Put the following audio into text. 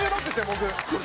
僕。